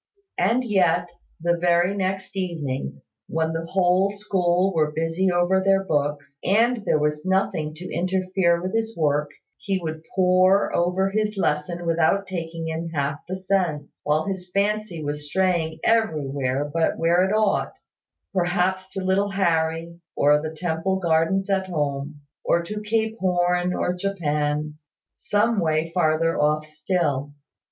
And yet, the very next evening, when the whole school were busy over their books, and there was nothing to interfere with his work, he would pore over his lesson without taking in half the sense, while his fancy was straying everywhere but where it ought; perhaps to little Harry, or the Temple Gardens at home, or to Cape Horn, or Japan some way farther off still.